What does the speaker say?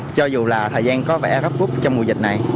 cho dù là thời gian có vẻ rấp rút trong mùa dịch này